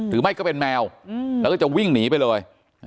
หรือไม่ก็เป็นแมวแล้วก็จะวิ่งหนีไปเลย